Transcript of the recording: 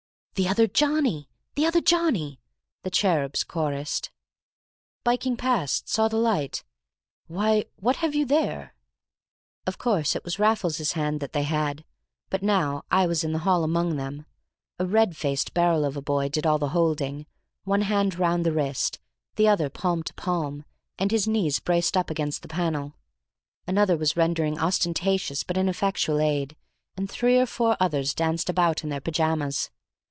"The other Johnny, the other Johnny," the cherubs chorused. "Biking past—saw the light—why, what have you there?" Of course it was Raffles's hand that they had, but now I was in the hall among them. A red faced barrel of a boy did all the holding, one hand round the wrist, the other palm to palm, and his knees braced up against the panel. Another was rendering ostentatious but ineffectual aid, and three or four others danced about in their pyjamas.